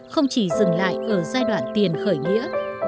không chỉ dừng lại ở giai đoạn tiền khởi nghĩa